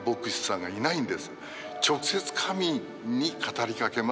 直接神に語りかけます。